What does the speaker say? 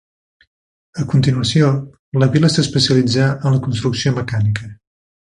A continuació, la vila s'especialitzà en la construcció mecànica.